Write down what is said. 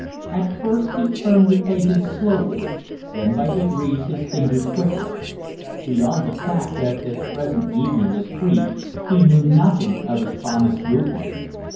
At first he turned the pages slowly, then by degrees his fingers quickened. Beyond the fact that this present evening was free, he knew nothing of his promised movements.